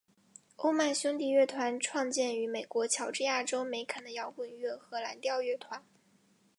欧曼兄弟乐团始建于美国乔治亚州梅肯的摇滚乐和蓝调乐团。